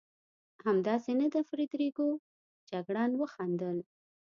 همداسې نه ده فرېدرېکو؟ جګړن وخندل.